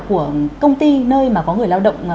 của công ty nơi mà có người lao động